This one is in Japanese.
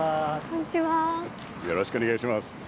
よろしくお願いします。